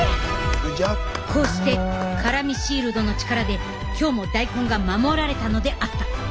こうしてカラミシールドの力で今日も大根が守られたのであった。